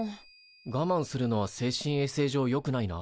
がまんするのは精神衛生上よくないな。